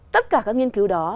tất cả các nghiên cứu đó